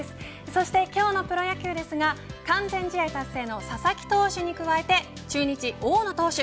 そして今日のプロ野球ですが完全試合達成の佐々木投手に加えて中日、大野投手